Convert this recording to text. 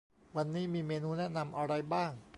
วันนี้มีเมนูแนะนำอะไรบ้าง